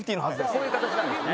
こういう形なんですね。